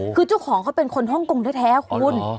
คือเจ้าของเขาเป็นคนฮ่องกงแท้คุณ